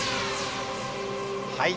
はい。